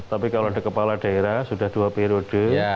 tapi kalau ada kepala daerah sudah dua periode